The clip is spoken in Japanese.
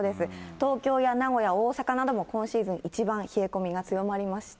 東京や名古屋、大阪なども今シーズン一番冷え込みが強まりました。